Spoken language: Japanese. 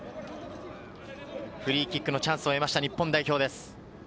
フリーキックのチャンスを得ました日本代表です。